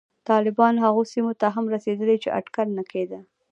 طالبان هغو سیمو ته هم رسېدلي چې اټکل نه کېده